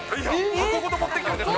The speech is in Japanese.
箱ごと持ってきたんですか？